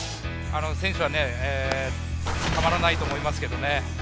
選手はたまらないと思いますけどね。